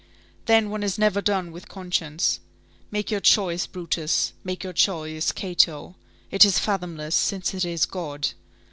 Then, one is never done with conscience. Make your choice, Brutus; make your choice, Cato. It is fathomless, since it is God.